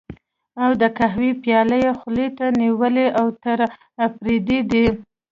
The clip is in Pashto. او د قهوې پياله یې خولې ته نیولې، اوتر اپرېدی دی.